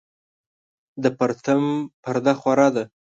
د پرتم پرده خوره ده